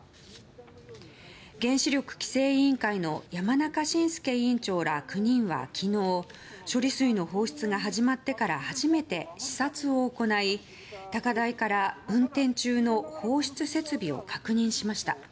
原子力規制委員会の山中伸介委員長ら９人は昨日、処理水の放出が始まってから初めて視察を行い高台から、運転中の放出設備を確認しました。